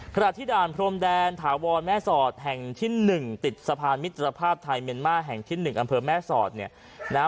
ขณะที่ด่านพรมแดนถาวรแม่สอดแห่งที่๑ติดสะพานมิตรภาพไทยเมียนมาร์แห่งที่๑อำเภอแม่สอดเนี่ยนะฮะ